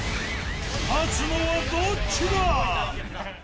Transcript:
勝つのはどっちだ。